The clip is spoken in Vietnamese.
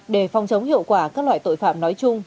để phòng chống hiệu quả các loại tội phạm nói chung